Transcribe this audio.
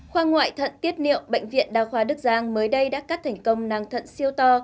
khoa ngoại thận tiết niệu bệnh viện đa khoa đức giang mới đây đã cắt thành công năng thận siêu to